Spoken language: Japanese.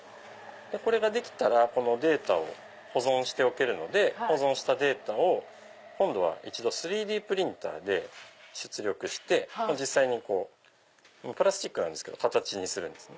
これができたらこのデータを保存しておけるので保存したデータを今度は１度３Ｄプリンターで出力して実際プラスチックなんですけど形にするんですね。